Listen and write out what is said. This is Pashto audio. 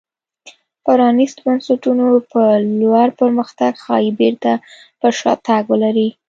پرانېستو بنسټونو په لور پرمختګ ښايي بېرته پر شا تګ ولري.